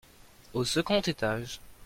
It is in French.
Au second étage.